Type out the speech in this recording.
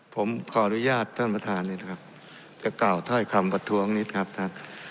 ผมขออนุญาตท่านประธานนี้นะครับจะกล่าวถ้อยคำประท้วงนิดครับท่าน